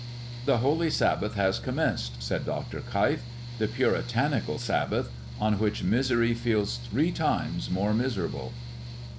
"The holy sabbath has commenced," said Dr. Keif, "the puritanical sabbath, on which misery feels three times more miserable."